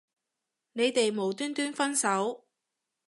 你哋無端端分手